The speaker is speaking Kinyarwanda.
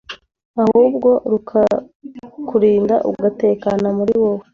ahubwo rurakurinda ugatekana muri wowe